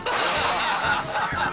ハハハハ！